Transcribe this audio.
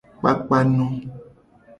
Kpakpano.